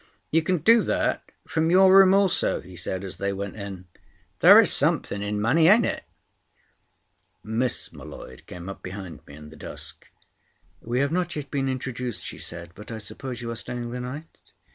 "You can do that from your room also," he said as they went in. "There is something in money, ain't it?" Miss M'Leod came up behind me in the dusk. "We have not yet been introduced," she said, "but I suppose you are staying the night?"